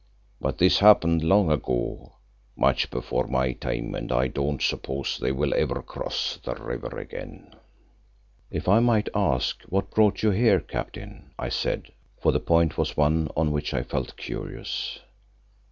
But this happened long ago, much before my time, and I don't suppose they will ever cross the river again." "If I might ask, what brought you here, Captain?" I said, for the point was one on which I felt curious.